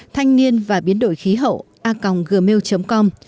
thanh niên và biến đổi khí hậu a gmail com